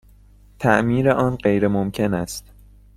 تعمیر آن غیرممکن است.